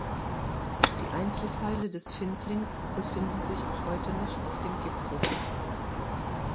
Die Einzelteile des Findlings befinden sich auch heute noch auf dem Gipfel.